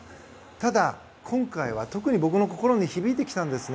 ただ、今回は特に僕の心に響いてきたんですね。